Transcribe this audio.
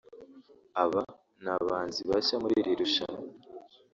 Aba ni abahanzi bashya muri iri rushanwa